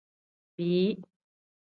Bii.